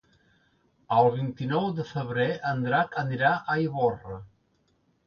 El vint-i-nou de febrer en Drac anirà a Ivorra.